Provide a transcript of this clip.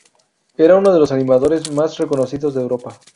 Era uno de los animadores más reconocidos de Europa.